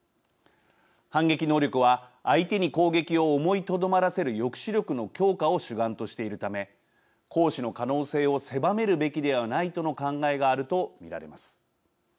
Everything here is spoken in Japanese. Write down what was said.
反撃能力は、相手に攻撃を思いとどまらせる抑止力の強化を主眼としているため行使の可能性を狭めるべきではないとの考えがあると見られます。